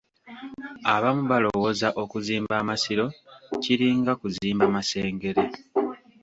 Abamu balowooza okuzimba amasiro kiringa kuzimba Masengere.